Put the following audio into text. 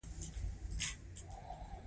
او ورسره د ايم فل مقالې هم شوې دي